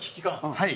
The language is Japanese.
はい。